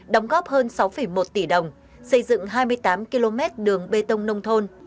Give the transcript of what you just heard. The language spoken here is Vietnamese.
đóng góp hơn sáu một tỷ đồng xây dựng hai mươi tám km đường bê tông nông thôn